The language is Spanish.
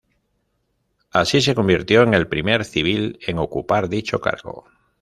Así, se convirtió en el primer civil en ocupar dicho cargo.